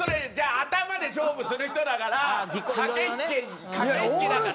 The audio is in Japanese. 頭で勝負する人だから駆け引き、駆け引きだから。